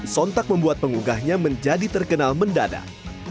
sontak membuat pengugahnya menjadi terkenal mendadak